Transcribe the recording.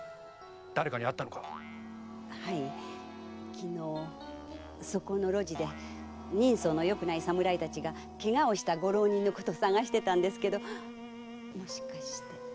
昨日そこの路地で人相のよくない侍がケガをしたご浪人を捜してたんですけどもしかして。